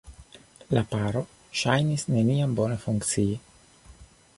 La paro ŝajnis neniam bone funkcii.